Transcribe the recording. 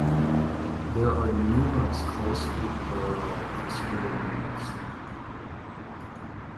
There are numerous closely parallel obscure nerves.